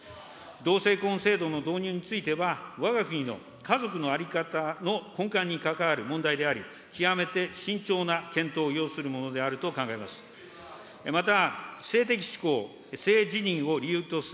同性婚制度の導入については、わが国の家族の在り方の根幹にかかわる問題であり、極めて慎重な検討を要するものであると考えます。